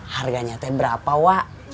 harganya teh berapa wak